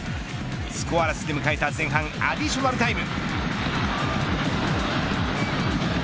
スコアレスで迎えた前半アディショナルタイム。